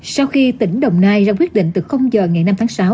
sau khi tỉnh đồng nai ra quyết định từ giờ ngày năm tháng sáu